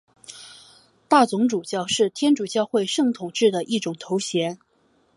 大总主教是天主教会圣统制的一种头衔。